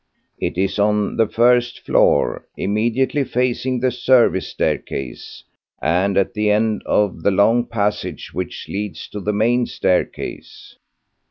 "It is on the first floor, immediately facing the service staircase, and at the end of the long passage which leads to the main staircase."